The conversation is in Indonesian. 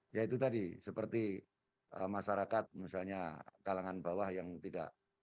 ya itu tadi seperti masyarakat misalnya kalangan bawah yang tidak